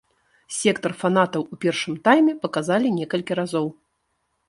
Сектар фанатаў у першым тайме паказалі некалькі разоў.